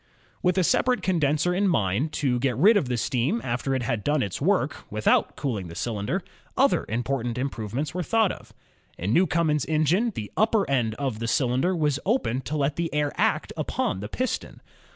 " With a separate condenser in mind, to get rid of the steam after it had done its work, without cooling the cylinder, other important improvements were thought of. In Newcomen's engine, the upper end of the cyUnder was open to let the air act upon the piston.